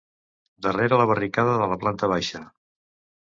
Darrere la barricada de la planta baixa...